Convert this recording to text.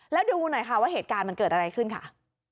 แล้วดูหน่อยค่ะว่าเหตุการณ์มันเกิดอะไรขึ้นค่ะ